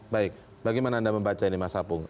baik bagaimana anda membaca ini mas apung